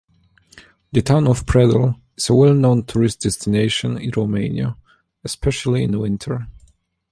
The town of Predeal is a well-known tourist destination in Romania, especially in winter.